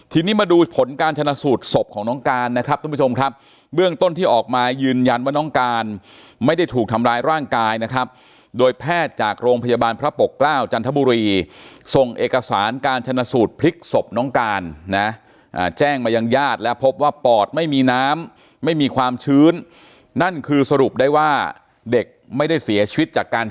ทีนี้มาดูผลการชนะสูตรศพของน้องการนะครับทุกผู้ชมครับเบื้องต้นที่ออกมายืนยันว่าน้องการไม่ได้ถูกทำร้ายร่างกายนะครับโดยแพทย์จากโรงพยาบาลพระปกเกล้าจันทบุรีส่งเอกสารการชนะสูตรพลิกศพน้องการนะแจ้งมายังญาติและพบว่าปอดไม่มีน้ำไม่มีความชื้นนั่นคือสรุปได้ว่าเด็กไม่ได้เสียชีวิตจากการ